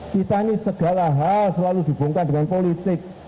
kita ini segala hal selalu dihubungkan dengan politik